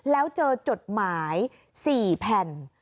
แล้วเจอจดหมาย๔แผ่น